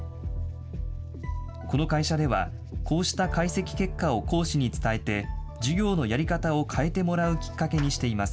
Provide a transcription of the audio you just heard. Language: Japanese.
この会社では、こうした解析結果を講師に伝えて、授業のやり方を変えてもらうきっかけにしています。